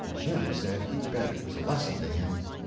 Jim said he'd bet it was a lesson to him.